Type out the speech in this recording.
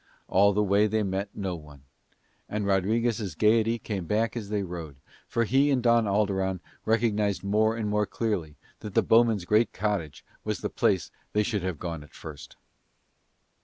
All the way they met no one. And Rodriguez' gaiety came back as they rode, for he and Don Alderon recognised more and more clearly that the bowmen's great cottage was the place they should have gone at first.